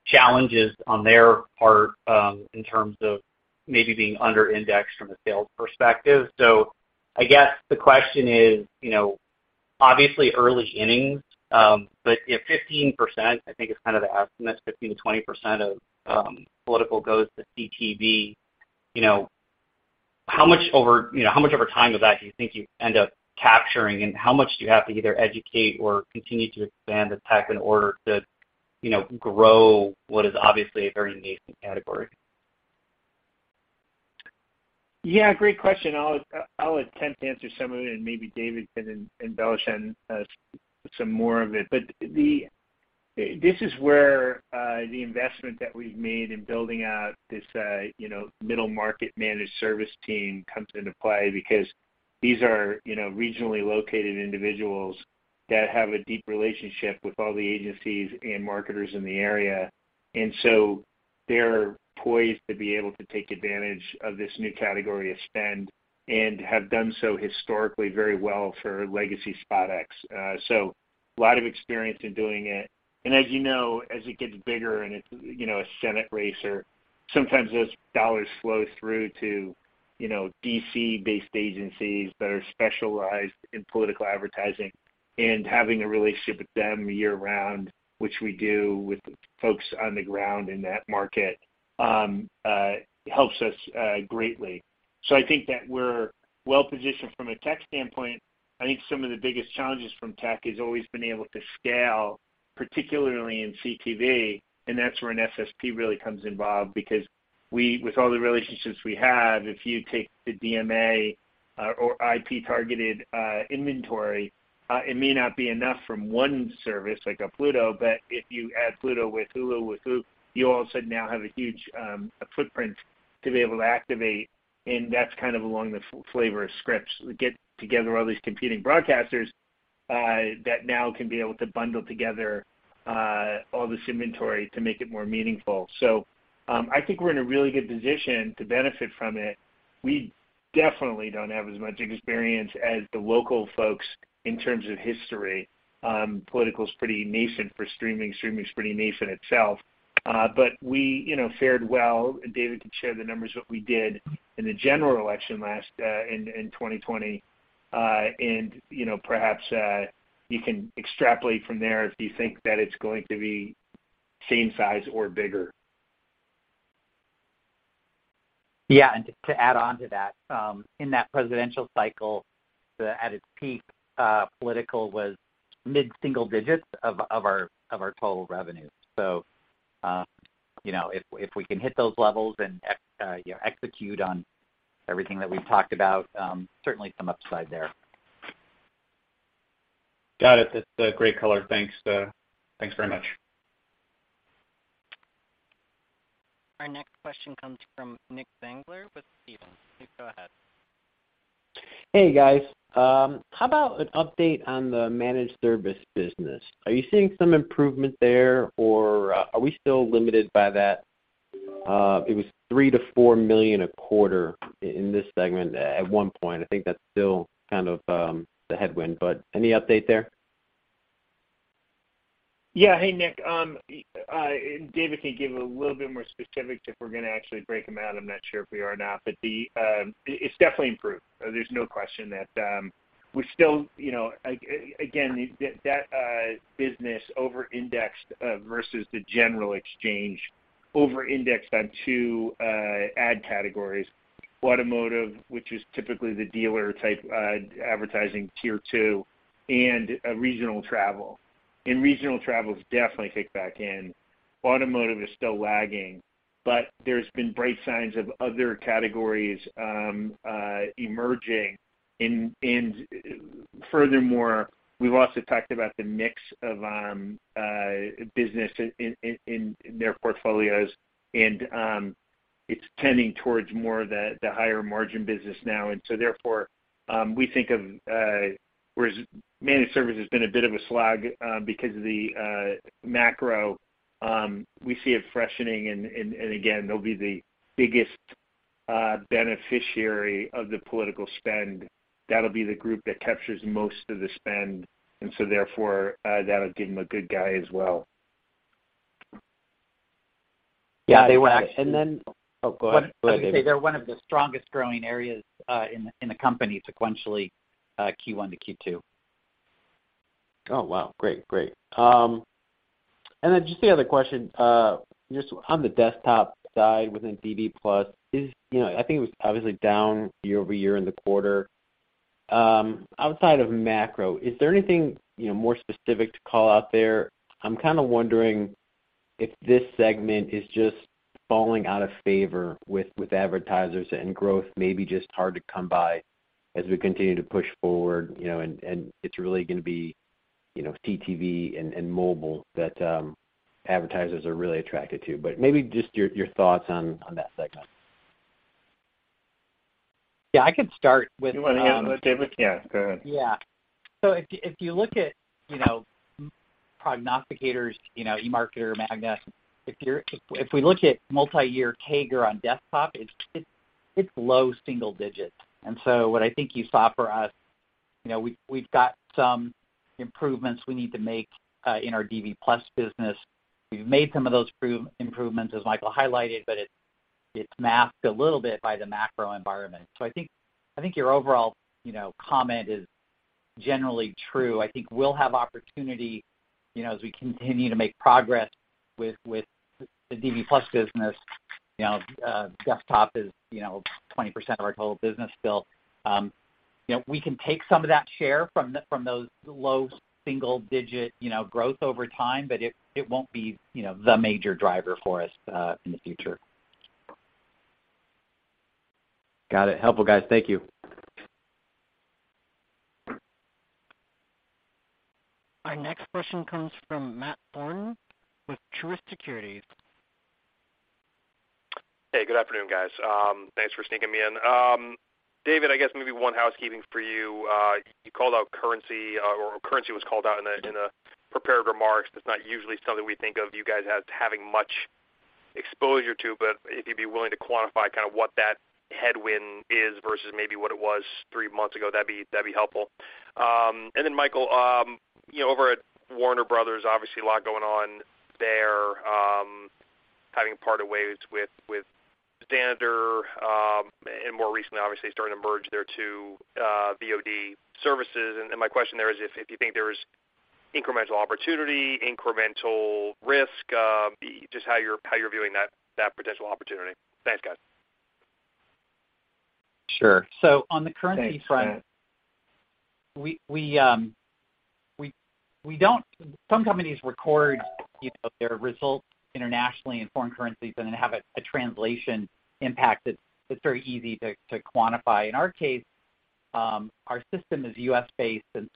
challenges on their part in terms of maybe being under indexed from a sales perspective. I guess the question is, you know, obviously early innings, but if 15%, I think is kind of the estimate, 15%-20% of political goes to CTV, you know, how much over time of that do you think you end up capturing? How much do you have to either educate or continue to expand the tech in order to, you know, grow what is obviously a very nascent category? Yeah, great question. I'll attempt to answer some of it, and maybe David can embellish on some more of it. This is where the investment that we've made in building out this, you know, middle market managed service team comes into play because these are, you know, regionally located individuals that have a deep relationship with all the agencies and marketers in the area. They're poised to be able to take advantage of this new category of spend and have done so historically very well for legacy SpotX. A lot of experience in doing it. As you know, as it gets bigger and it's, you know, a Senate race or sometimes those dollars flow through to, you know, D.C.-based agencies that are specialized in political advertising. Having a relationship with them year-round, which we do with folks on the ground in that market, helps us greatly. I think that we're well positioned from a tech standpoint. I think some of the biggest challenges from tech has always been able to scale, particularly in CTV, and that's where an SSP really comes involved. Because with all the relationships we have, if you take the DMA or IP-targeted inventory, it may not be enough from one service like a Pluto, but if you add Pluto with Hulu, you all of a sudden now have a huge footprint to be able to activate, and that's kind of along the flavor of Scripps. We get together all these competing broadcasters that now can be able to bundle together all this inventory to make it more meaningful. I think we're in a really good position to benefit from it. We definitely don't have as much experience as the local folks in terms of history. Political is pretty nascent for streaming. Streaming is pretty nascent itself. But we, you know, fared well. David can share the numbers what we did in the general election last in 2020. You know, perhaps you can extrapolate from there if you think that it's going to be same size or bigger. Yeah. To add on to that, in that presidential cycle, at its peak, political was mid-single digits of our total revenue. You know, if we can hit those levels and, you know, execute on everything that we've talked about, certainly some upside there. Got it. That's great color. Thanks very much. Our next question comes from Nick Zangler with Stephens. Please go ahead. Hey, guys. How about an update on the managed service business? Are you seeing some improvement there, or are we still limited by that? It was $3 million-$4 million a quarter in this segment at one point. I think that's still kind of the headwind, but any update there? Yeah. Hey, Nick. And David can give a little bit more specifics if we're gonna actually break them out. I'm not sure if we are or not. It's definitely improved. There's no question that we're still, you know, again, that business overindexed versus the general exchange, overindexed on two ad categories: automotive, which is typically the dealer-type advertising tier two, and regional travel. Regional travel is definitely kicked back in. Automotive is still lagging, but there's been bright signs of other categories emerging. Furthermore, we've also talked about the mix of business in their portfolios, and it's tending towards more of the higher margin business now. We think of, whereas managed service has been a bit of a slog, because of the macro, we see it freshening. Again, they'll be the biggest beneficiary of the political spend. That'll be the group that captures most of the spend, and so therefore, that'll give them a good Q as well. Yeah. They were Oh, go ahead. I was gonna say they're one of the strongest growing areas in the company sequentially Q1 to Q2. Just the other question, just on the desktop side within DV+ is, you know, I think it was obviously down year-over-year in the quarter. Outside of macro, is there anything, you know, more specific to call out there? I'm kind of wondering if this segment is just falling out of favor with advertisers and growth may be just hard to come by as we continue to push forward, you know, and it's really gonna be, you know, CTV and mobile that advertisers are really attracted to. But maybe just your thoughts on that segment. Yeah, I can start with, You wanna handle it, David? Yeah, go ahead. If you look at, you know, prognosticators, you know, eMarketer, MAGNA, if we look at multiyear CAGR on desktop, it's low single digits. What I think you saw for us, you know, we've got some improvements we need to make in our DV+ business. We've made some of those improvements as Michael highlighted, but it's masked a little bit by the macro environment. I think your overall, you know, comment is generally true. I think we'll have opportunity, you know, as we continue to make progress with the DV+ business. You know, desktop is, you know, 20% of our total business still. You know, we can take some of that share from those low single digit, you know, growth over time, but it won't be, you know, the major driver for us in the future. Got it. Helpful, guys. Thank you. Our next question comes from Matt Thornton with Truist Securities. Hey, good afternoon, guys. Thanks for sneaking me in. David, I guess maybe one housekeeping for you. You called out currency or currency was called out in a prepared remarks. That's not usually something we think of you guys as having much exposure to, but if you'd be willing to quantify kind of what that headwind is versus maybe what it was three months ago, that'd be helpful. And then Michael, you know, over at Warner Bros. Discovery, obviously a lot going on there, having parted ways with Xandr, and more recently, obviously, starting to merge their two VOD services. My question there is if you think there's incremental opportunity, incremental risk, just how you're viewing that potential opportunity. Thanks, guys. Sure. On the currency front. Thanks, Matt. We don't. Some companies record, you know, their results internationally in foreign currencies and then have a translation impact that's very easy to quantify. In our case, our system is U.S.-based, and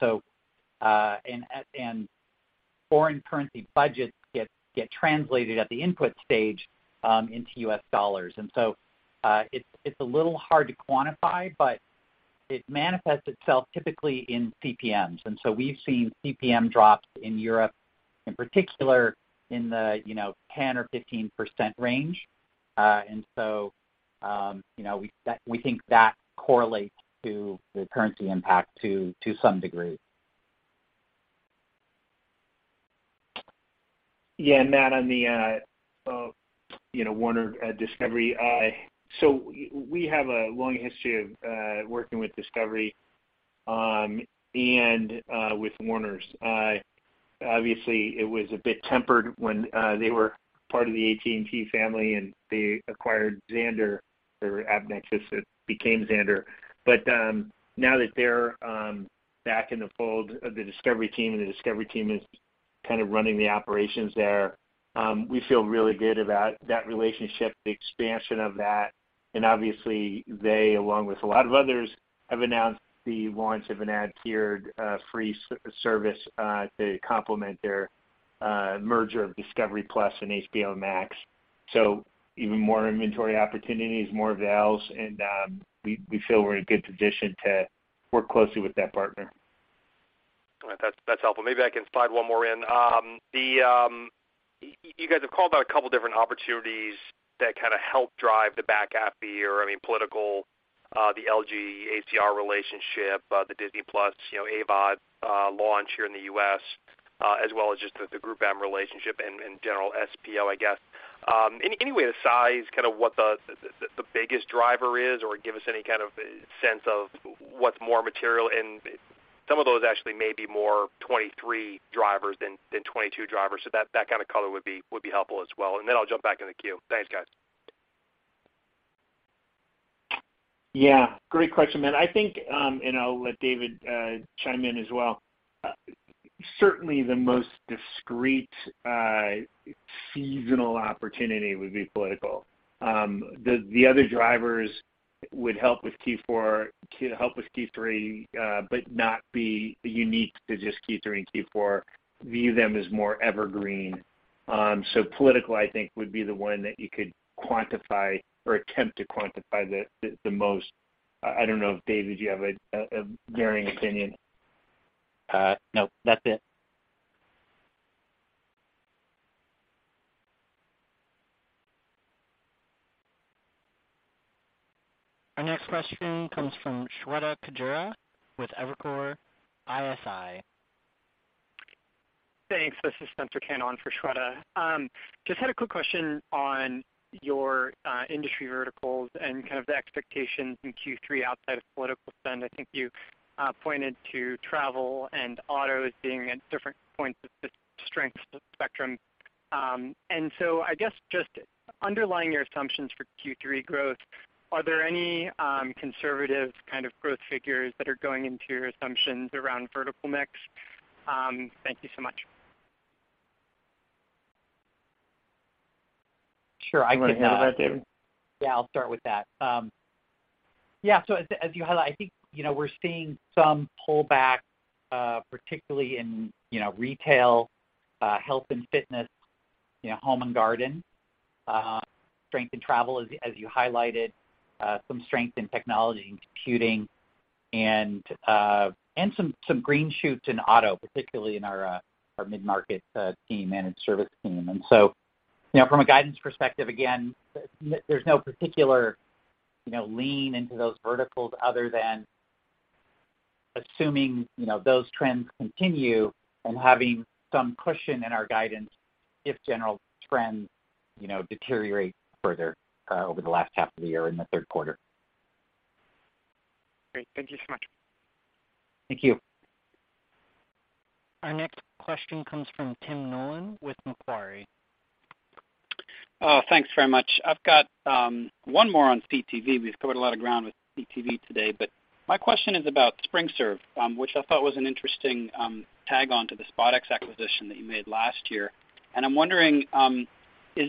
foreign currency budgets get translated at the input stage into US dollars. It's a little hard to quantify, but it manifests itself typically in CPMs. We've seen CPM drops in Europe, in particular in the 10%-15% range. You know, we think that correlates to the currency impact to some degree. Yeah. Matt, on the, you know, Warner Bros. Discovery. We have a long history of working with Discovery, and with Warner Bros. Obviously, it was a bit tempered when they were part of the AT&T family, and they acquired Xandr or AppNexus. It became Xandr. Now that they're back in the fold of the Discovery team, and the Discovery team is kind of running the operations there, we feel really good about that relationship, the expansion of that. Obviously, they, along with a lot of others, have announced the launch of an ad-tiered free service to complement their merger of Discovery+ and HBO Max. Even more inventory opportunities, more AVODs, and we feel we're in a good position to work closely with that partner. All right. That's helpful. Maybe I can slide one more in. You guys have called out a couple different opportunities that kind of help drive the back half of the year. I mean, political, the LG ACR relationship, the Disney+ launch here in the U.S., you know, AVOD, as well as just the GroupM relationship and general SSP, I guess. Any way to size kind of what the biggest driver is, or give us any kind of sense of what's more material? Some of those actually may be more 2023 drivers than 2022 drivers. That kind of color would be helpful as well. Then I'll jump back in the queue. Thanks, guys. Yeah, great question, Matt. I think, and I'll let David chime in as well. Certainly the most discrete seasonal opportunity would be political. The other drivers would help with Q4, help with Q3, but not be unique to just Q3 and Q4. View them as more evergreen. Political, I think, would be the one that you could quantify or attempt to quantify the most. I don't know if, David, you have a varying opinion. No, that's it. Our next question comes from Shweta Khajuria with Evercore ISI. Thanks. This is Spencer Cannon for Shweta. Just had a quick question on your industry verticals and kind of the expectations in Q3 outside of political spend. I think you pointed to travel and auto as being at different points of the strength spectrum. I guess just underlying your assumptions for Q3 growth, are there any conservative kind of growth figures that are going into your assumptions around vertical mix? Thank you so much. Sure. You wanna handle that, David? Yeah, I'll start with that. Yeah. As you highlight, I think, you know, we're seeing some pullback, particularly in you know, retail, health and fitness, you know, home and garden, strength in travel as you highlighted, some strength in technology and computing and some green shoots in auto, particularly in our mid-market team managed service team. You know, from a guidance perspective, again, there's no particular you know, lean into those verticals other than Assuming, you know, those trends continue and having some cushion in our guidance if general trends, you know, deteriorate further over the last half of the year in the third quarter. Great. Thank you so much. Thank you. Our next question comes from Tim Nollen with Macquarie. Oh, thanks very much. I've got one more on CTV. We've covered a lot of ground with CTV today, but my question is about SpringServe, which I thought was an interesting tag on to the SpotX acquisition that you made last year. I'm wondering you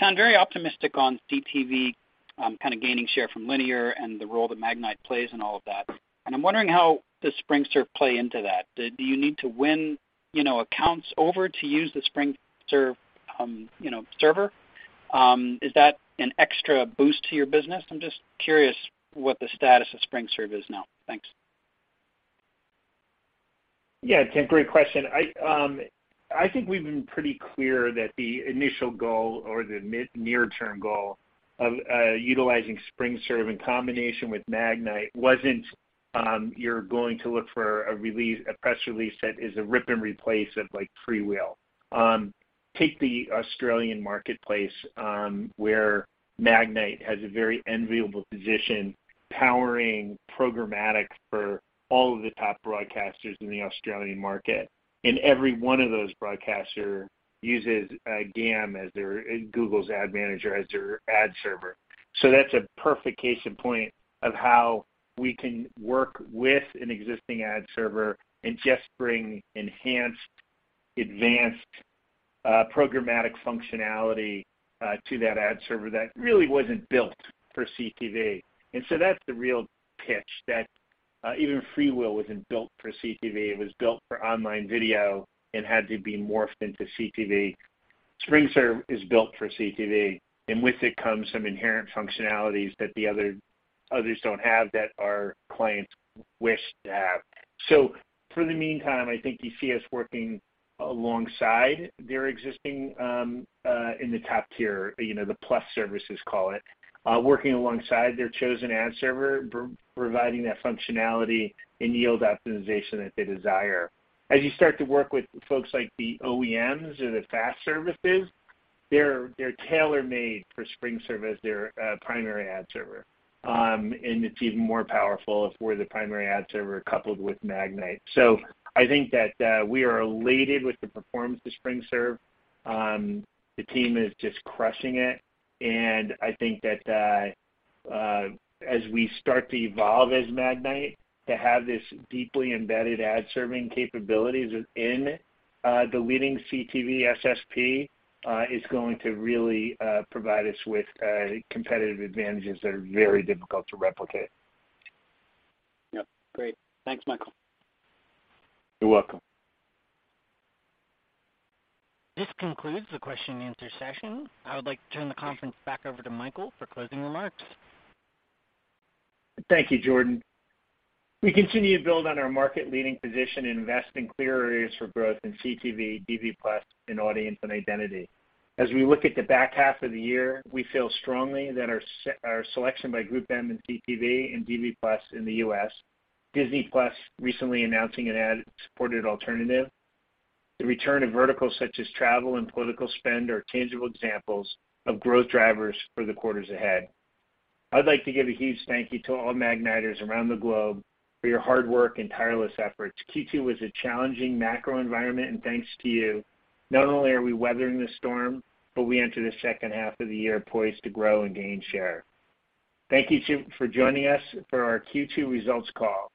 sound very optimistic on CTV, kind of gaining share from linear and the role that Magnite plays in all of that, and I'm wondering how does SpringServe play into that. Do you need to win, you know, accounts over to use the SpringServe, you know, server? Is that an extra boost to your business? I'm just curious what the status of SpringServe is now. Thanks. Yeah, Tim, great question. I think we've been pretty clear that the initial goal or the near-term goal of utilizing SpringServe in combination with Magnite wasn't you're going to look for a release, a press release that is a rip and replace of, like, FreeWheel. Take the Australian marketplace, where Magnite has a very enviable position powering programmatic for all of the top broadcasters in the Australian market, and every one of those broadcasters uses GAM as their Google Ad Manager as their ad server. That's a perfect case in point of how we can work with an existing ad server and just bring enhanced, advanced programmatic functionality to that ad server that really wasn't built for CTV. That's the real pitch, that even FreeWheel wasn't built for CTV. It was built for online video and had to be morphed into CTV. SpringServe is built for CTV, and with it comes some inherent functionalities that the others don't have that our clients wish to have. For the meantime, I think you see us working alongside their existing, in the top tier, you know, the plus services call it, working alongside their chosen ad server, providing that functionality and yield optimization that they desire. As you start to work with folks like the OEMs or the FAST services, they're tailor-made for SpringServe as their primary ad server. It's even more powerful if we're the primary ad server coupled with Magnite. I think that we are elated with the performance of SpringServe. The team is just crushing it, and I think that as we start to evolve as Magnite to have this deeply embedded ad serving capabilities within the leading CTV SSP is going to really provide us with competitive advantages that are very difficult to replicate. Yep. Great. Thanks, Michael. You're welcome. This concludes the question and answer session. I would like to turn the conference back over to Michael for closing remarks. Thank you, Jordan. We continue to build on our market-leading position and invest in clear areas for growth in CTV, DV+ and audience and identity. As we look at the back half of the year, we feel strongly that our selection by GroupM in CTV and DV+ in the U.S., Disney+ recently announcing an ad-supported alternative, the return of verticals such as travel and political spend are tangible examples of growth drivers for the quarters ahead. I'd like to give a huge thank you to all Magniters around the globe for your hard work and tireless efforts. Q2 was a challenging macro environment, and thanks to you, not only are we weathering the storm, but we enter the second half of the year poised to grow and gain share. Thank you, Tim, for joining us for our Q2 results call.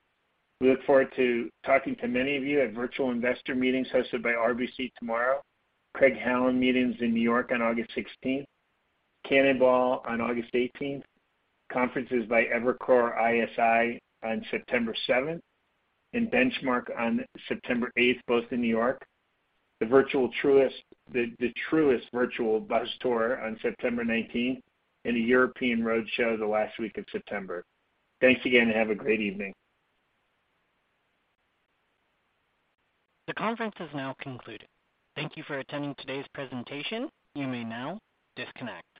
We look forward to talking to many of you at virtual investor meetings hosted by RBC tomorrow, Craig-Hallum meetings in New York on August 16, Canaccord on August 18th, conferences by Evercore ISI on September 7, and Benchmark on September 8th, both in New York, the virtual Truist bus tour on September 19, and a European roadshow the last week of September. Thanks again, and have a great evening. The conference has now concluded. Thank you for attending today's presentation. You may now disconnect.